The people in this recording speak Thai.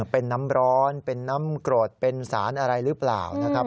เป็นน้ำร้อนเป็นน้ำกรดเป็นสารอะไรหรือเปล่านะครับ